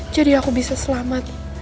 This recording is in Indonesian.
jadi aku bisa selamat